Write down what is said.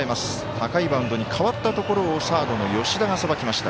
高いバウンドに変わったところをサードの吉田がさばきました。